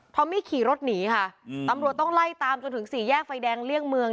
เพราะไม่ขี่รถหนีค่ะตำรวจต้องไล่ตามจนถึงสี่แยกไฟแดงเลี่ยงเมือง